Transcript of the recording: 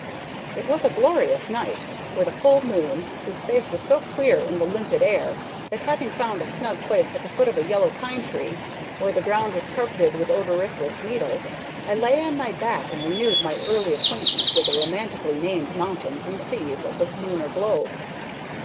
"It was a glorious night, with a full moon, whose face was so clear in the limpid air that, having found a snug place at the foot of a yellow pine tree, where the ground was carpeted with odoriferous needles, I lay on my back and renewed my early acquaintance with the romantically named mountains and 'seas' of the Lunar globe.